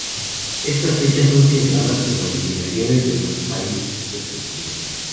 Estas fechas son señaladas por las legislaciones de los países respectivos.